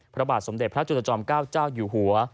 พระบาทสมเด็จพระจุลจอมเก้าเจ้าอยู่หัว